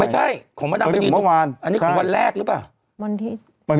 ไม่ใช่ของมะดำไปดีกว่าอันนี้ของวันแรกหรือเปล่า